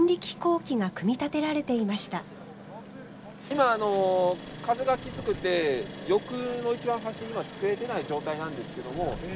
今あの風がきつくて翼の一番端今つけれてない状態なんですけども。